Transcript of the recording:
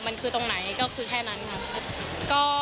มันคือตรงไหนก็คือแค่นั้นค่ะ